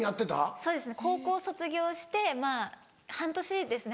そうですね高校卒業してまぁ半年ですね